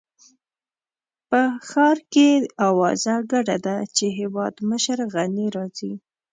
په ښار کې اوازه ګډه ده چې هېوادمشر غني راځي.